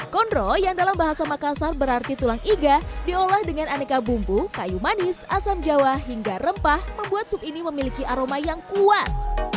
kondro yang dalam bahasa makassar berarti tulang iga diolah dengan aneka bumbu kayu manis asam jawa hingga rempah membuat sup ini memiliki aroma yang kuat